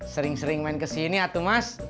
sering sering main kesini atau mas